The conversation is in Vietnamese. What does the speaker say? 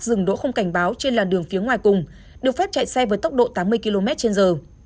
dừng đỗ không cảnh báo trên làn đường phía ngoài cùng được phép chạy xe với tốc độ tám mươi km trên giờ